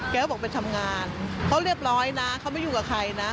เขาบอกไปทำงานเขาเรียบร้อยนะเขาไม่อยู่กับใครนะ